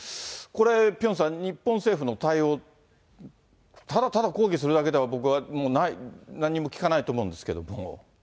これ、ピョンさん、日本政府の対応、ただただ抗議するだけでは、僕はもうない、何にもきかないと思うんですけれども。